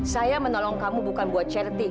saya menolong kamu bukan buat charty